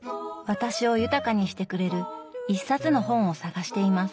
私を豊かにしてくれる一冊の本を探しています。